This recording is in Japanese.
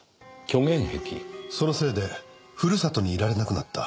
そのせいでふるさとにいられなくなった。